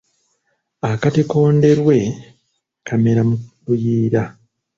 Akatiko Ndeerwe kamera mu luyiira.